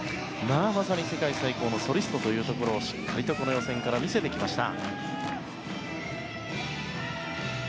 まさに世界最高のソリストというところをしっかりとこの予選から見せてきました。